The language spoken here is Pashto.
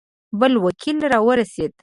بل وکیل را ورسېد.